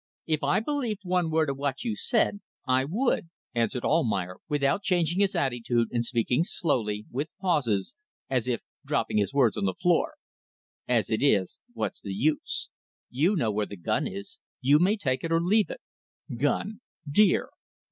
"If I believed one word of what you say, I would," answered Almayer without changing his attitude and speaking slowly, with pauses, as if dropping his words on the floor. "As it is what's the use? You know where the gun is; you may take it or leave it. Gun. Deer.